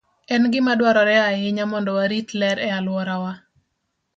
En gima dwarore ahinya mondo warit ler e alworawa.